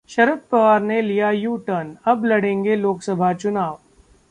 शरद पवार ने लिया यू-टर्न, अब लड़ेंगे लोकसभा चुनाव